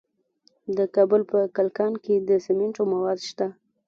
د کابل په کلکان کې د سمنټو مواد شته.